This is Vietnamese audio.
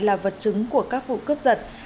là vật chứng của các vụ cướp giật